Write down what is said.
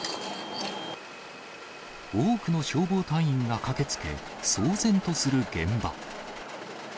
多くの消防隊員が駆けつけ、騒然とする現場。